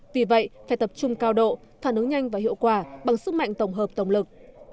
vì vậy phải tập trung cao độ phản ứng nhanh và hiệu quả bằng sức mạnh tổng hợp tổng lực